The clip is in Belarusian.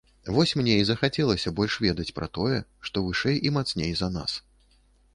Вось мне і захацелася больш ведаць пра тое, што вышэй і мацней за нас.